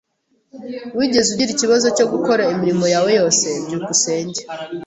Wigeze ugira ikibazo cyo gukora imirimo yawe yose? byukusenge